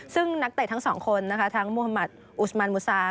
ซึ่งนักเตะทั้งสองคนนะคะทั้งมุธมัติอุสมันมูซา